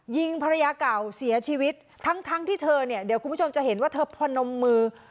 ยิงภรรยาเก่าเสียชีวิตทั้งทั้งที่เธอเนี่ยเดี๋ยวคุณผู้ชมจะเห็นว่าเธอพนมมือ